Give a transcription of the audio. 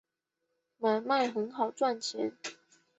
买卖很好赚钱